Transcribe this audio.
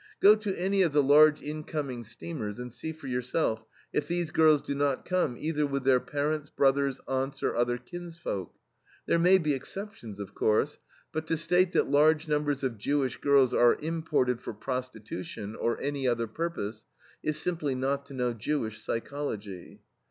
Go to any of the large incoming steamers and see for yourself if these girls do not come either with their parents, brothers, aunts, or other kinsfolk. There may be exceptions, of course, but to state that large numbers of Jewish girls are imported for prostitution, or any other purpose, is simply not to know Jewish psychology.